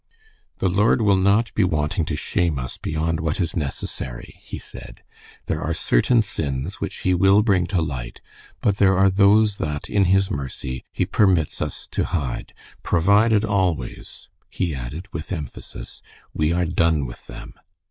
"The Lord will not be wanting to shame us beyond what is necessary," he said. "There are certain sins which he will bring to light, but there are those that, in his mercy, he permits us to hide; provided always," he added, with emphasis, "we are done with them."